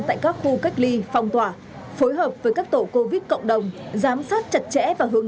tại các khu cách ly phong tỏa phối hợp với các tổ covid cộng đồng giám sát chặt chẽ và hướng